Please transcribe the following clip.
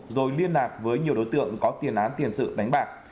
rồi liên lạc với nhiều đối tượng có tiền án tiền sự đánh bạc